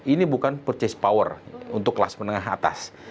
ini bukan purchase power untuk kelas menengah atas